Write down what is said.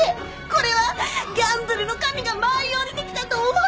これはギャンブルの神が舞い降りてきたと思ったのよ！